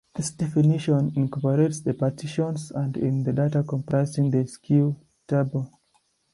This definition incorporates the partitions and in the data comprising the skew tableau.